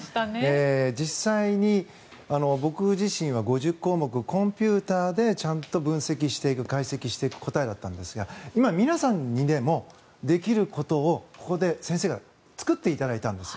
実際に僕自身は５０項目、コンピューターでちゃんと分析、解析していく検査だったんですが今、皆さんにでもできることをここで先生に作っていただいたんです。